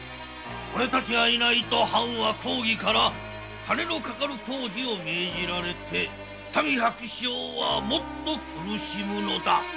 おれたちがいないと藩は公儀から金のかかる工事を命じられて民百姓はもっと苦しむのだ